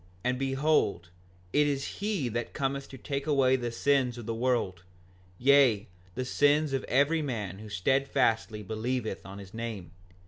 And behold, it is he that cometh to take away the sins of the world, yea, the sins of every man who steadfastly believeth on his name.